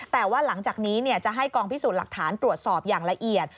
แต่ว่าหลังจากนี้จะให้กองพิสูจน์หลักฐานตรวจสอบอย่างละเอียด